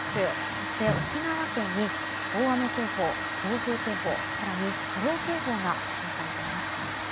そして、沖縄県に大雨警報、暴風警報更に波浪警報が発表されています。